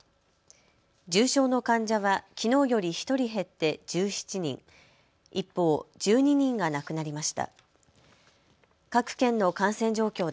重症の患者はきのうより１人減って１７人、一方、１２人が亡くなりました。